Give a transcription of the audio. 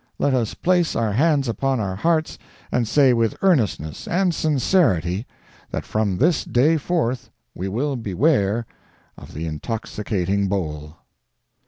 Let us place our hands upon our hearts, and say with earnestness and sincerity that from this day forth we will beware of the intoxicating bowl.